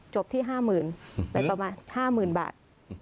จบที่ห้าหมื่นไปประมาณห้าหมื่นบาท